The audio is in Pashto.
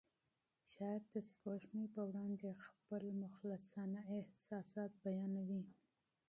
شاعر د سپوږمۍ په وړاندې خپل مخلصانه احساسات بیانوي.